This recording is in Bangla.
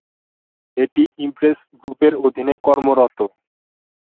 এটি ইমপ্রেস গ্রুপের অধীনে কার্যরত।